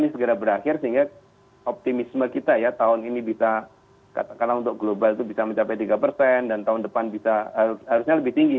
ini segera berakhir sehingga optimisme kita ya tahun ini bisa katakanlah untuk global itu bisa mencapai tiga persen dan tahun depan bisa harusnya lebih tinggi